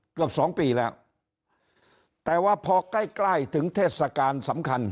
เกือบสองปีแล้วแต่ว่าพอใกล้ใกล้ถึงเทศกาลสำคัญ